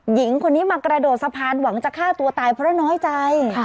หญิงคนนี้มากระโดดสะพานหวังจะฆ่าตัวตายเพราะน้อยใจ